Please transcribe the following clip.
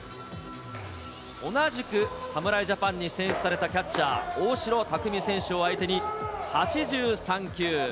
同じく侍ジャパンに選出されたキャッチャー、大城卓三選手を相手に８３球。